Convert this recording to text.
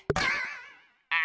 あ！